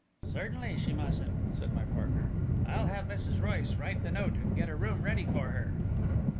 "Certainly she mustn't," said my partner. "I'll have Mrs. Royce write the note, and get a room ready for her."